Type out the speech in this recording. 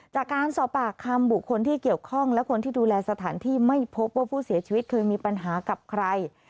จากการสอบปากคำบุคคลที่เกี่ยวข้องและคนที่ดูแลสถานที่ไม่พบว่าผู้เสียชีวิตเคยมีปัญหากับใคร